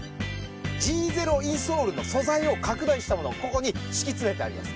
Ｇゼロインソールの素材を拡大したものをここに敷き詰めてあります。